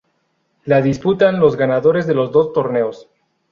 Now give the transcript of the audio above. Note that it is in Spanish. La disputan los ganadores de los dos torneos.